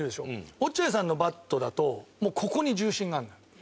落合さんのバットだとここに重心があるのよ。